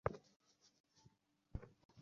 হয়তো তাদের সঙ্গে আমার শীঘ্রই ইউরোপে দেখা হবে।